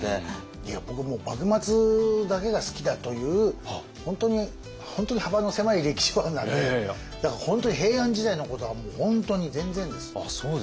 いや僕もう幕末だけが好きだという本当に幅の狭い歴史ファンなんでだから本当に平安時代のことはもう本当に全然です。